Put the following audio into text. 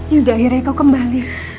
yunda akhirnya kau kembali